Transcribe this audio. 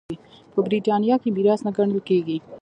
په برېټانیا کې میراث نه ګڼل کېږي.